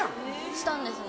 したんですね